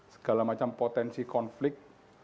segala macam potensi konflik